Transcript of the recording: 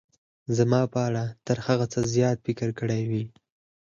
زما په اړه تر هغه څه زیات فکر کړی وي.